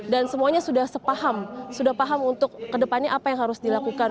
dan semuanya sudah sepaham sudah paham untuk ke depannya apa yang harus dilakukan